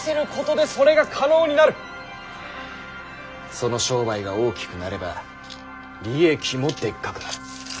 その商売が大きくなれば利益もでっかくなる。